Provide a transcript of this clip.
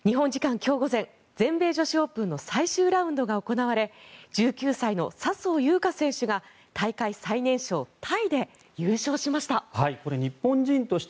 今日午前全米女子オープンの最終ラウンドが行われ１９歳の笹生優花選手が大会最年少タイで優勝しました。